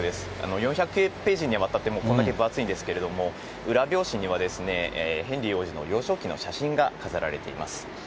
４００ページにわたって、これだけ分厚いんですけれども、裏表紙にはですね、ヘンリー王子の幼少期の写真が飾られています。